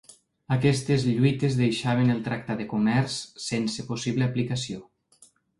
Aquestes lluites deixaven el tractat de comerç sense possible aplicació.